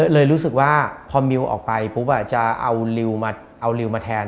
เลยรู้สึกว่าพอมิวออกไปปุ๊บจะเอาริวมาแทน